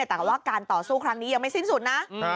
แต่ว่าการต่อสู้ครั้งนี้ยังไม่สิ้นสุดนะ